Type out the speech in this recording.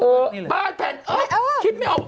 โอ้บ้านแพนเค้กเอ้อคิดไม่ออก